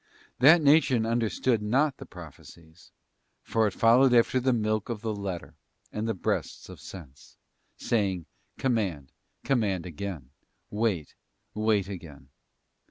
That nation understood not the prophecies, for it followed after the milk of the letter, and the breasts of sense, saying, 'command, command again; wait, wait again.